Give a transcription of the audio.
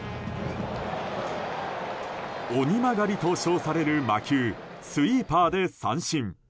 鬼曲がりと称される魔球スイーパーで三振。